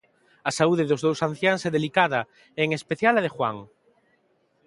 A saúde dos dous anciáns é delicada, e en especial a de Juan.